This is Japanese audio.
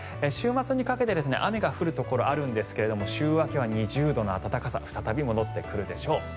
週末にかけて雨が降るところがあるんですが週明けは２０度の暖かさが再び戻ってくるでしょう。